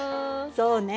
そうね。